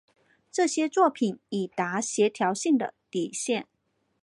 这些作品已到达调性的底线。